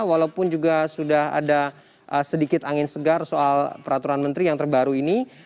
walaupun juga sudah ada sedikit angin segar soal peraturan menteri yang terbaru ini